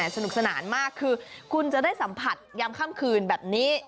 สนุกสนานมากคือคุณจะได้สัมผัสยามค่ำคืนแบบนี้